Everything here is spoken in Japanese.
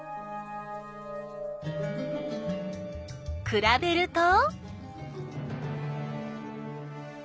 くらべると？